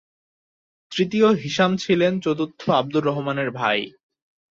তৃতীয় হিশাম ছিলেন চতুর্থ আবদুর রহমানের ভাই।